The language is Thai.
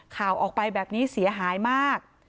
ข่าวออกไปแบบนี้เสียหายมาก